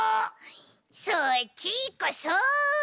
そっちこそ！